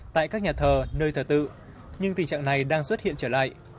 tại các nhà thờ nơi thờ tự nhưng tình trạng này đang xuất hiện trở lại